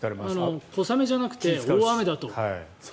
小雨じゃなくて大雨だと。